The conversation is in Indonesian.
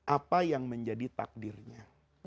apa yang menjadi takdirnya